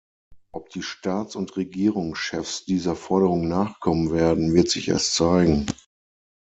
Ob die Staats- und Regierungschefs dieser Forderung nachkommen werden, wird sich erst zeigen.